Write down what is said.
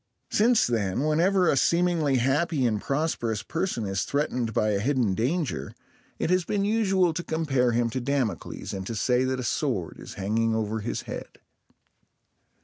Since then, whenever a seemingly happy and prosperous person is threatened by a hidden danger, it has been usual to compare him to Damocles, and to say that a sword is hanging over his head.